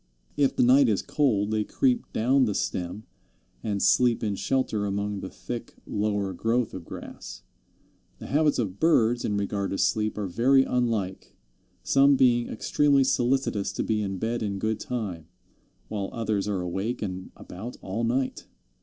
If the night is cold they creep down the stem and sleep in shelter among the thick lower growth of grass. The habits of birds in regard to sleep are very unlike, some being extremely solicitous to be in bed in good time, while others are awake and about all night.